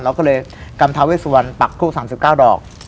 เราก็เลยกรรมท้าเวสวรปักทุก๓๙ดอก